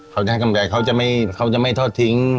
เขาจะให้กำไรเขาจะไม่ทอดทิ้ง